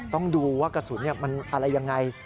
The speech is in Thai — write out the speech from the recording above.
ต้องดูว่ากระสุนมันอะไรยังไง